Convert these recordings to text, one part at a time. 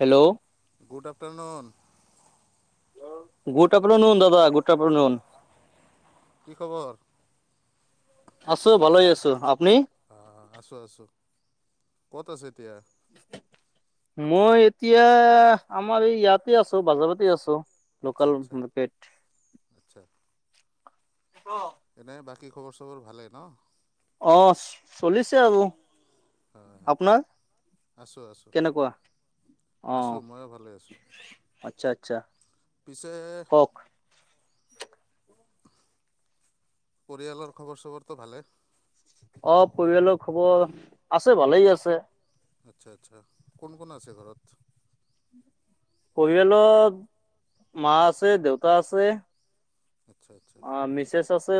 Hello! [inaudible] Good afternoon [inaudible] good afternoon দাদা good afternoon. কি খবৰ? আছোঁ ভালে হৈ আছোঁ। আপনি? আঁ, আছোঁ, আছোঁ। ক'ত আছে এতিয়া? মই এতিয়া আমাৰ এই ইয়াতে আছো বাজাৰতে আছোঁ। আচ্ছা লোকেল আচ্ছা মাৰ্কেট। আচ্ছা অঁ। এনেই বাকী খবৰ চবৰ ভালেই ন'? অঁ, চলিছে আৰু। হয় হয় আপোনাৰ আছোঁ আছোঁ কেনেকুৱা? অঁ, আছোঁ ময়ো ভালে আছোঁ আচ্ছা আচ্ছা। পিছে কওক? পৰিয়ালৰ খবৰ চবৰটো ভালে? অঁ, পৰিয়ালৰ খবৰ, আছে ভালেই আছে। আচ্ছা, আচ্ছা। কোন কোন আছে ঘৰত? পৰিয়ালত মা আছে, দেউতা আছে আচ্ছা, আচ্ছা। অঁ, মিছেছ আছে,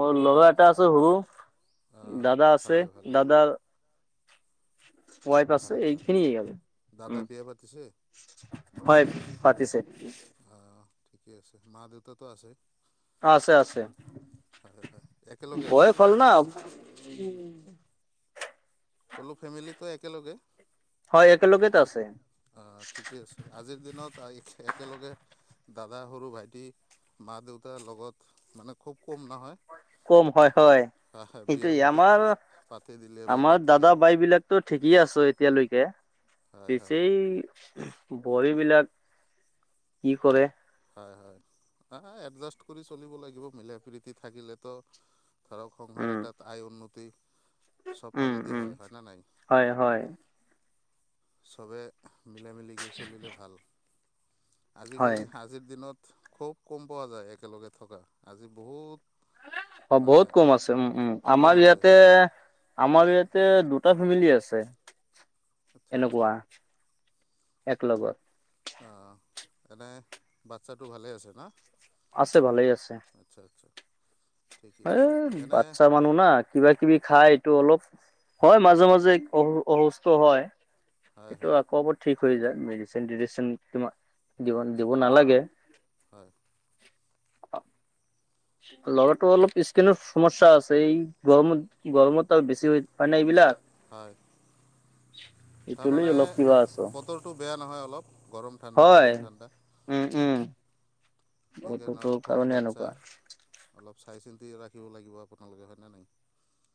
মোৰ ল'ৰা এটা আছে, সৰু আহ দাদা আছে, ভালে ভালে দাদাৰ ৱাইফ আছে ভালে ভালে এইখিনি আৰু দাদাই উম। বিয়া পাতিছে হয়, পাতিছে। আঁ, ঠিকে আছে। মা-দেউতাতো আছে? আছে, আছে হয় হয় একেলগে বয়স হ'ল ন'। ক'লো ফেমিলিটো একেলগে? হয়, একেলগতে আছে। অঁ, ঠিকে আছে। আজিৰ দিনত আ একে একেলগে দাদা, সৰু ভাইটি, মা-দেউতাৰ লগত মানে খুব কম নহয়? কম হয়, হয়। আহ, বিয়া সেইটোৱে পাতি আমাৰ, পাতি দিলে বা আমাৰ পাতিলে দাদা, বাই বিলাক টো ঠিকেই আছোঁ এতিয়ালৈকে। হয় পিছে হয় এই বোৱাৰীবিলাক কি কৰে। হয়, হয়। আঁ এডজাষ্ট কৰি চলিব লাগিব। মিলা-প্ৰীতি থাকিলেতো ধৰক সংসাৰ উম এটাত আয় উন্নতি উম চবফালেদি উম হয়। হয় নে নাই? হয় হয় চবে মিলা-মিলিকে চলিলে ভাল। হয় আজিকালি আজিৰ দিনত খুব কম পোৱা যায় একেলগে থকা। আজি বহুত অ, মানে বহুত কম আছে উম, উম। কম আমাৰ আছে ইয়াতে আমাৰ ইয়াতে দুটা ফেমিলি আছে আচ্ছা আচ্ছা এনেকুৱা একলগত। অঁ, এনেই বাচ্ছাটো ভালে আছে ন'? আছে, ভালেই আছে। আচ্ছা, আচ্ছা ঠিকে এ আছে। এনে বাচ্ছা মানুহ না কিবা-কিবি খাই এইটো অলপ হয়, মাজে মাজে অসু অসুস্থ হয়। হয় এইটো হয় আকৌ ব ঠিক হৈ যায়। মেডিচিন-টেডিচিন তোমা দিব দিব নালাগে। হয়। লগৰটো অলপ স্কিনৰ সমস্যা আছে। এই গৰমত, গৰমতটো আৰু বেছি হয়, মানে এইবিলাক। হয়। [inaudible] এইটো লৈ তাৰমানে অলপ কিবা আছো বতৰটো বেয়া নহয় অলপ গৰম ঠাণ্ডা হয় গৰম ঠাণ্ডা। উম, হুম। সেইকাৰণে অলপ সৰু বাচ্ছা এনেকুৱা অলপ চাই চিন্তি ৰাখিব লাগিব আপোনালোকে হয়নে নাই।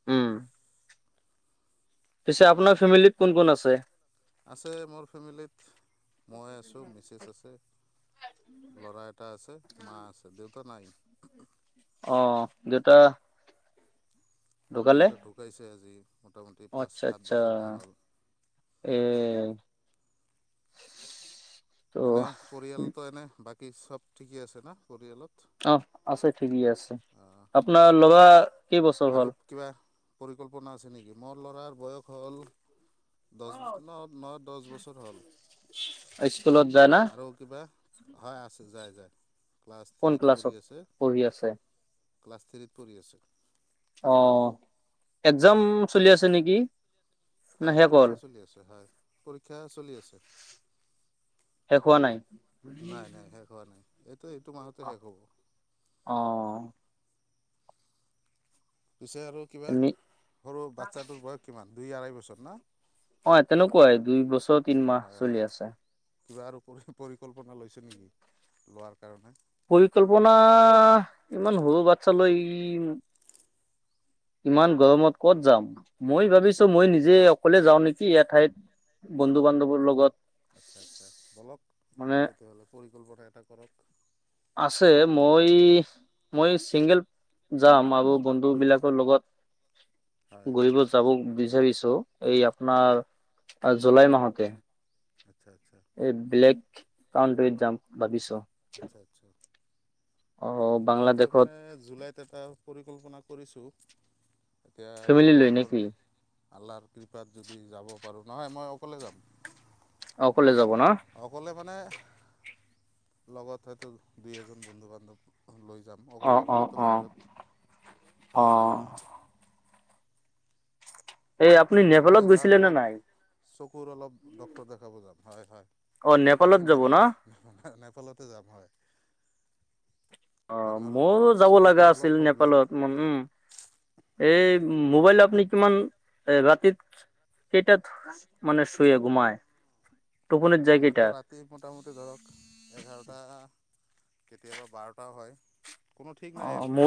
উম। পিছে আপোনাৰ ফেমিলিত কোন কোন আছে? আছে মোৰ ফেমিলিত মই আছোঁ মিছেছ আছে ল'ৰা এটা আছে মা আছে। দেউত নাই। অ', দেউতা ঢুকালে দেউতা ঢুকাইছে আজি মোটামুটি পাঁচ আচ্ছা সাত আচ্ছা বছৰমান হ'ল। এ। ত' এনে পৰিয়ালতো এনে বাকী চব ঠিকেই আছে না পৰিয়ালত? অহ আছে ঠিকেই আছে। অঁ'। আপোনাৰ ল'ৰা। কেইবছৰ আৰু হ'ল কিবা পৰিকল্পনা আছে নেকি মোৰ ল'ৰাৰ বয়স হ'ল দহ ন ন দহ বছৰ হ'ল স্কুলত যায় না আৰু কিবা? হয় আছে যায় যায় ক্লাছ কোন থ্ৰীত ক্লাছত পঢ়ি আছে। পঢ়ি আছে ক্লাছ থ্ৰ্ৰীত পঢ়ি আছে। অ একজাম চলি আছে নেকি। না হয় শেষ হ'ল পৰীক্ষা চলি আছে হয় পৰীক্ষা চলি আছে। শেষ হোৱা নাই নাই নাই শেষ হোৱা নাই এইটো এইটো মাহতে শেষ হ'ব। অ। পিছে আৰু কিবা এনে সৰু বাচ্ছাটোৰ বয়স কিমান দুই আঢ়াই বছৰ ন। অ তেনেকুৱাই দুই বছৰ তিনমাহ চলি হয় আছে। কিবা আৰু পৰি পৰিকল্পনা লৈছে নেকি লোৱাৰ কাৰণে। পৰিকল্পনা ইমান সৰু বাচ্ছ লৈ ই। ইমান গৰমত ক'ত যাম। মই ভাবিছো মই নিজে অকলে যাওঁ নেকি এঠাইত বন্ধু বান্ধৱৰ লগত। আচ্ছা আচ্ছা বলক মানে তেতিয়াহ'লে পৰিকল্পনা এটা কৰক। আছে মই। মই চিংগল যাম আৰু বন্ধু বিলাকৰ লগত। হয় হয় ঘৰিব যাব বিচাৰিছো এই আপোনাৰ জুলাই মাহতে। আচ্ছা আচ্ছা। এই ব্লেক কাউণ্টিত যাম ভাবিছো। আচ্ছা আচ্ছা। অ মই বাংলাদেশত তাৰমানে জুলাইত এটা পৰিকল্পনা কৰিছোঁ। এতিয়া ফেমিলি লৈ ভগৱানৰ। নেকি আল্লাৰ কৃপাত যদি যাব পাৰোঁ নহয় মই অকলে যাম। অকলে যাব ন। অকলে মানে লগত হয়তো দুই এজন বন্ধু বান্ধৱ লৈ যাম। অ অকলে অ অকলেতো অ বাহিৰত ভাল অ নালাগে নহয়। এই আপনি। মই যাম অলপ চকুৰ অলপ ডাক্তৰক দেখাব যাম। হয় হয়। অ নেপালত এই যাব ন নেপালৰ, নেপালতে যাম হয়। অঁ, তাৰমানে অলপ মও যাব লগা চকুটোৰ অলপ আছিল প্ৰব্লেম নেপালত মান, উম। এই মোবাইল আপুনি কিমান এ ৰাতিত সেইটাত মানে শুয়ে ঘোমায়? মইতো ৰাতি মোটামুটি ধৰক এঘাৰটা কেতিয়াবা বাৰটাও হয়। কোনো ঠিক নাই অঁ' আৰু ম কি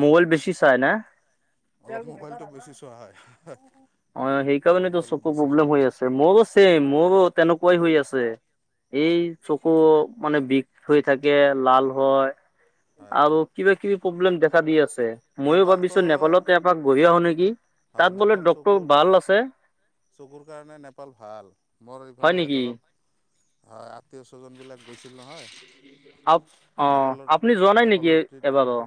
মোবইল বেছি চাই না? অলপ মোবাইলটো বেছি চোৱা হয় অঁ, সেইকাৰণে মোবাইলটো তোৰ অলপ চকু বেছি চোৱা প্ৰব্লেম হৈ হয় আছে। মোৰো চেইম হয় মোৰো তেনেকুৱাই হৈ আছে। এই চকু মানে বিষ হৈ থাকে, লাল হয়। হয় আৰু হয় কিবা কিবি প্ৰব্লেম দেখা দি আছে, মইয়ো নেপালটো ভাবিছো নেপালত এপাক ঘূঢ়ি আহো নেকি। হয়, তাত বোলে নেপাল ডক্তৰ চুকুৰ। ভাল আছে চকুৰ কাৰণে নেপাল ভাল। মোৰ হয় এইফালে নেকি ধৰক [unintelligible] ছ্বজনবিলাক গৈছিল নহয় আপ অ নেপালৰ আপুনি যোৱা নাই নেকি নেপালৰ এবাৰো ট্ৰিটমেণ্টটো।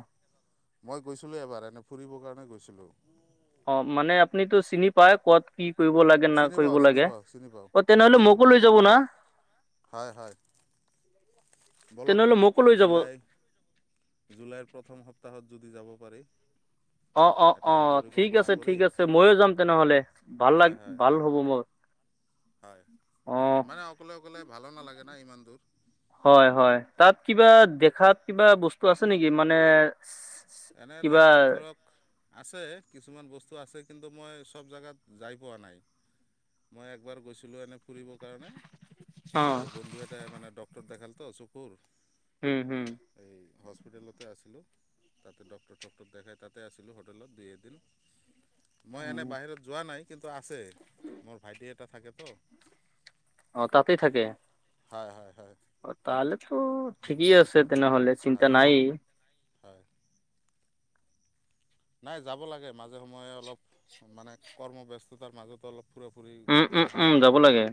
মই গৈছিলোঁ এবাৰ এনেই ফুৰিবৰ কাৰণে গৈছিলোঁ। অঁ মানে আপুনিটো চিনি পায় ক'ত কি কৰিব লা চিনি কৰিব পাওঁ চিনি লাগে। পাওঁ চিনি পাওঁ অঁ, তেনেহ'লে চিনি মোকো পাওঁ লৈ যাব না। হয় হয়, বলক তেনেহলে মোকো লৈ যাব জুলাই জুলাইৰ প্ৰথম সপ্তাহত যদি যাব পাৰি। এটা অহ-অহ-অহ' ঠিক পৰিকল্পনা আছে কৰি ঠিক আছে, মইয়ো যাম তেনেহ'লে। ভাল লাগ হয় হয় ভাল হয় হ'ব মোৰ। হয় অ মানে অকলে অকলে ভালো নালাগে না ইমান দূৰ। হয় হয়, তাত কিবা দেখাত কিবা বস্তু আছে নেকি মানে এনে কিবা দেখাত ধৰক আছে কিছুমান বস্তু আছে কিন্তু মই চ'ব জেগাত যাই পোৱা নাই। মই একবাৰ গৈছিলো এনেই ফুৰিবৰ কাৰণে অ এই বন্ধু এটাই মানে ডক্টৰত দেখাল তো চকুৰ হুম হুম। এই হস্পিটেলতে আছিলোঁ। তাতে ডক্টৰ থক্টৰ দেখাই তাতে আছিলোঁ হোটেলত দুই এদিন। মই এনে অ বাহিৰত যোৱা নাই কিন্তু আছে মোৰ ভাইটি এটা থাকে তো। অঁ তাতেই থাকে? হয় হয় হয়। অঁ' তালেতো ঠিকেই আছে তেনেহ'লে চিন্তা হয় নাই। হয়। নাই যাব লাগে মাজে সময়ে অলপ মানে কৰ্মব্যস্ততাৰ মাজতো অলপ ফুৰা ফুৰি উম উম ঘূৰা উম ফুৰা যাব কৰিব লাগে।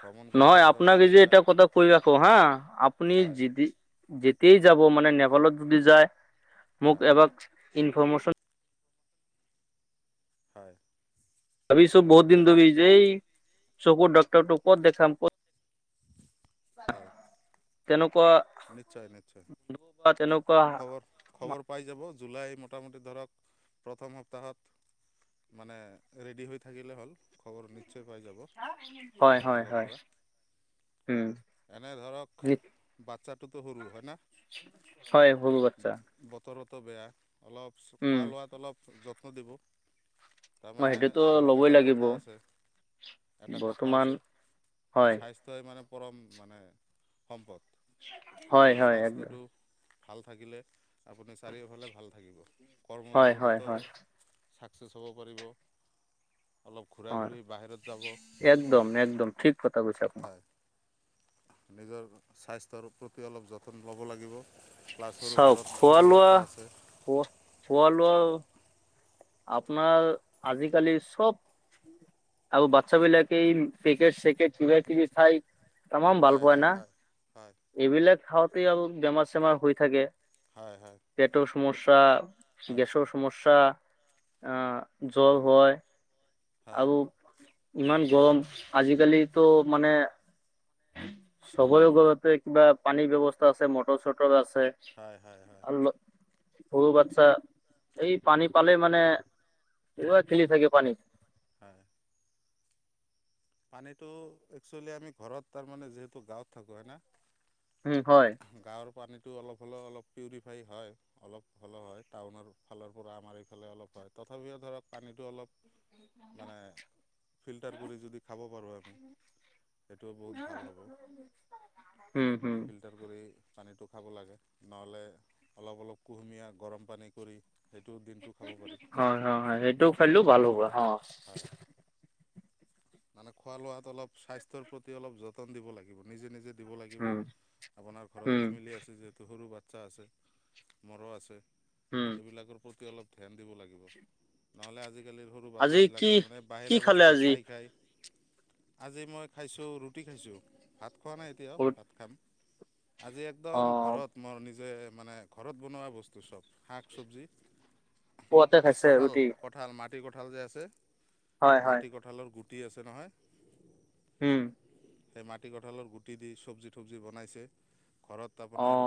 ভ্ৰমণ কৰিলে নহয় ধৰক আপোনাক যে বাহিৰা এটা কথা কৈ ৰাখো হা' আপনি হয় যিদি যেতিয়াই যাব মানে নেপালত যদি যায় মোক হয় এক ইনেশ্যন হয়। ভাবিছো বহুত দিন নিশ্চয় ধৰি নিশ্চয় এই চকুৰ ডক্টৰটো ক'ত দেখাম, ক'ত তেনেকুৱা নিশ্চয়-নিশ্চয়। [unintelligible] খবৰ খবৰ পাই যাব জুলাই মোটামুটি ধৰক প্ৰথম সপ্তাহত মানে ৰেডি হৈ থাকিলে হ'ল খবৰ নি নিশ্চয় পাই যাব হয় মোৰ হয় ফালৰ হয় পৰা উম এনে ধৰক বাচ্ছাটোতো সৰু হয়নে হয় সৰু বাচ্ছা বতৰতো বেয়া অলপ উম খোৱা লোৱাত অলপ যত্ন দিব মই তাৰমানে সেইটোতো ধৰক ল'বই এটা লাগিব কথা আছে এটা কথা বৰ্তমান আছে হয় স্বা স্থ্যই মানে পৰম মানে সম্পদ হয় নিজৰ হয় একদম স্বাস্থ্যটো ভাল থাকিলে আপুনি চাৰিওফালে ভাল থাকিব কৰ্ম হয় হয় জীৱনতো হয় ছাকচেছ হ'ব পাৰিব অলপ ঘূৰা হয় ঘূৰি বাহিৰত যাব একদম একদম ঠিক কথা কৈছে আপোনাৰ হয় নিজৰ স্বাস্থ্যৰ প্ৰতি অলপ যতন ল'ব লাগিব ক্লাছৰো চাওক ঘৰত খোৱা সৰু লোৱা বাচ্ছা আছে খোৱা খোৱা লোৱাও আপোনাৰ আজিকালি চব আৰু বাচ্ছা বিলাকে এই পেকেট চেকেট কিবা কিবি খাই তামাম ভাল হয় পাই হয় না হয় হয় এইবিলাক খাওঁতে আৰু বেমাৰ চেমাৰ হৈ থাকে হয় হয় পেটৰ সমস্যা হয় গেছৰ সমস্যা অ' জ্বৰ হয় হয় আৰু ইমান গৰম আজিকালিতো মানে চবৰে ঘৰতে কিবা পানীৰ ব্যৱস্থা আছে মটৰ চটৰ আছে। হয় হয় হয় আৰু সৰু বাচ্ছা এই পানী পালে মানে একেবাৰে খেলি থাকে পানীত। হয়। পানীটো একচুৱেলি আমি ঘৰত তাৰমানে যিহেতু গাঁৱত থাকো হয় না উম হয়। গাঁৱৰ পানীতো অলপ হ'লেও অলপ পিউৰিফাই হয়। অলপ হ'লেও হয় টাউনৰ ফালৰ পৰা আমাৰ এইফালে অলপ হয় তথাপিও ধৰক পানীতো অলপ মানে ফিল্টাৰ কৰি যদি খাব পাৰো আমি সেইটো বহুত ভাল হ'ব। উম হম। ফিল্টাৰ কৰি পানীটো খাব লাগে নহ'লে অলপ অলপ কুহুমীয়া গৰম পানী কৰি সেইটো দিনটো খাব পাৰি হয় হয় হয় সেইটো খেলিলেও ভাল হ'ব অ হয় হয়। মানে খোৱা লোৱাত অলপ স্বাস্থ্যৰ প্ৰতি অলপ যত্ন দিব লাগিব নিজে নিজে দিব লাগিব উম আপোনাৰ ঘৰত উম ফেমিলি আছে যিহেতু সৰু বাচ্ছা আছে মোৰো আছে উম এইবিলাকৰ প্ৰতি অলপ ধ্যান দিব লাগিব নহ'লে আজি কালিৰ সৰু আজি বাচ্ছাবিলাক কি তাৰমানে কি বাহিৰা খালে বস্তু আজি খায় খায় আজি মই খাইছো ৰুটি খাইছো ভাত খোৱা নাই এতিয়াও ভাত খাম। আজি অ একদম ঘৰত মোৰ নিজে মানে ঘৰত বনোৱা বস্তু চব শাক চবজি। পুৱাতে এই খাইছে কঁঠাল ৰুটি কঁঠাল মাটিকঁঠাল যে আছে হয় হয় মাটি ক‍ঁ ঠালৰ গুটি আছে নহয় হুম। সেই মাটিকঁঠালৰ গুটি দি চব্জি তবজি বনাইছে ঘৰত অ আপোনাৰ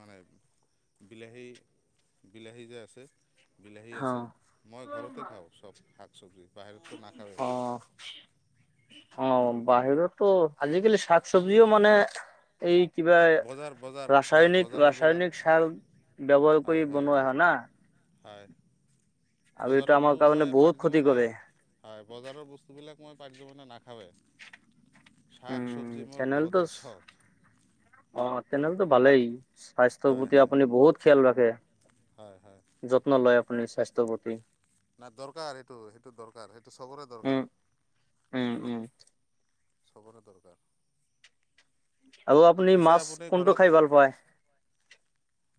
মানে বিলাহী বিলাহী যে আছে বিলাহী অ আছে মই ঘৰতে খাও চব শাক চবজি। বাহিৰততো নাখাওঁৱেই অ। অ বাহিৰতো আজিকালি শাক চবজিও মানে এই কিবা বজাৰ বজাৰ হয় ৰাসায়নিক বজাৰৰবিলাক ৰাসায়নিক চাল ব্যৱহাৰ কৰি বনোৱা হয় না। হয় আৰু এইটো আমাৰ বজাৰতো কাৰণে মই বহুত [unintelligible] ক্ষতি মানে কৰে হয় বজাৰৰ বস্তুবিলাক মই পাৰিলে মানে নাখাৱে। শাক উম চবজি মোৰ ঘৰতে তেনেহলেতো চব। অ তেনেহলেতো ভালেই স্বাস্থ্যৰ হয় প্ৰতি হয় আপুনি বহুত খেয়াল ৰাখে। হয় হয়। যত্ন লয় আপুনি স্বাস্থ্য প্ৰতি। না দৰকাৰ সেইটো সেইটো দৰকাৰ সেইটো চবৰে উম দৰকাৰ। উম উম। চবৰে দৰকাৰ। আৰু আপুনি পিছে মাছ কোনটো খাই ভাল পায়?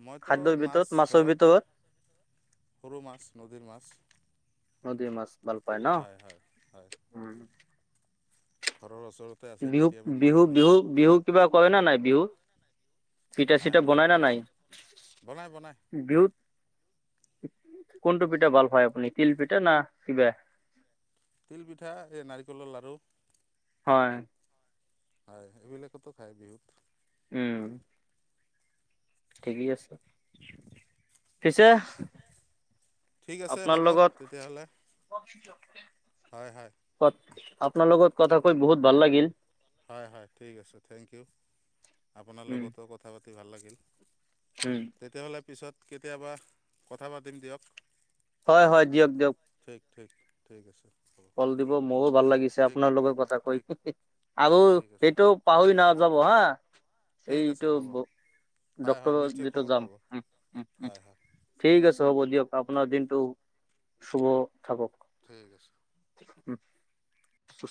মইত খাদ্যৰ মাছ ভিতৰত মাছৰ ধৰক ভিতৰত সৰু মাছ নদীৰ মাছ। নদীৰ মাছ ভাল পায় ন হয় হয় হয়। উম ঘৰৰ ওচৰত বিহু বিহু বিহু বিহু কৰে নে নাই বিহু? পিঠা চিটা বনাই না নাই? বনায় বনায়। বিহুত কোনটো পিঠা ভাল পাই আপুনি তিল পিঠা না কিবা? তিলপিঠা এই নাৰিকলৰ লাড়ু। হয়। হয় এইবিলাকতো খায় বিহুত। উম। ঠিকেই আছে। পিছে ঠিক আছে আপোনাৰ হ'ব লগত তেতিয়াহ'লে হয় হয় ক আপোনাৰ লগত কথা কৈ বহুত ভাল লাগিল। হয় হয় ঠিক আছে, থেংক ইউ, আপোনাৰ লগতো কথা পাতি ভাল লাগিল। হুম তেতিয়াহ'লে পিছত কেতিয়াবা কথা পাতিম দিয়ক। হয় হয় দিয়ক দিয়ক। ঠিক ঠিক। ঠিক আছে হ'ব। ফল দিব মোৰো ভাল লাগিছে ঠিক আপোনাৰ লগৰ কথা কৈ ঠিক হিহি আৰু ঠিক আছে সেইটো পাহৰি নাযাব হা। ঠিক আছে এইটো হ'ব ব হয় হয় ডক্টৰ নিশ্চয় যিটো খবৰ যাম পাব উম উম। হয় হয় ঠিক আছে হ'ব দিয়ক আপোনাৰ দিনটো শুভ থাকক। ঠিক আছে। [unintelligible]